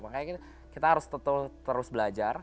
makanya kita harus terus belajar